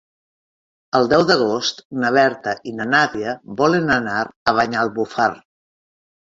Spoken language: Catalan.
El deu d'agost na Berta i na Nàdia volen anar a Banyalbufar.